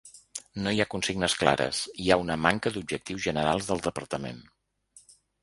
No hi ha consignes clares, hi ha una manca d’objectius generals del departament.